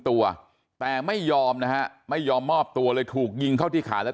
ตัวแต่ไม่ยอมนะฮะไม่ยอมมอบตัวเลยถูกยิงเข้าที่ขาแล้ว